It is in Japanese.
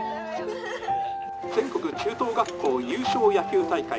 「全国中等学校優勝野球大会」。